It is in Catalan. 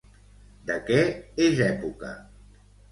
De què és època?